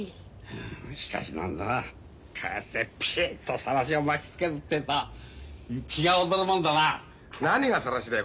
うんしかし何だなこうやってピシッとさらしを巻きつけるってのは血が躍るもんだな。何がさらしだよ